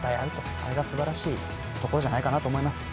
あれがすばらしいところじゃないかなと思います。